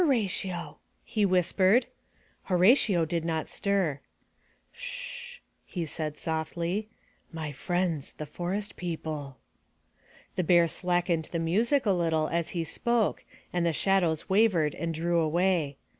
Ratio,*' he whispered. Horatio did not stir. "Sh h!" he said, softly. "My friends— the forest people." The Bear slackened the music a little as he spoke and the shadows wavered and drew away.